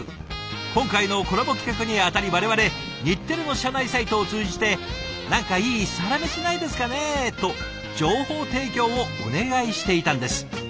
今回のコラボ企画にあたり我々日テレの社内サイトを通じて何かいいサラメシないですかね？と情報提供をお願いしていたんです。